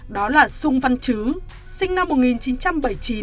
đó là sung văn chứ sinh năm một nghìn chín trăm bảy mươi chín